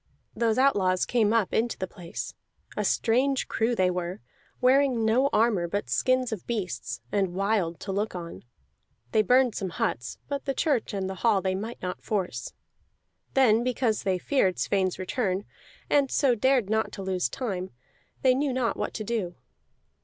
Those outlaws came up into the place; a strange crew they were, wearing no armor but skins of beasts, and wild to look on. They burned some huts, but the church and the hall they might not force. Then, because they feared Sweyn's return, and so dared not to lose time, they knew not what to do.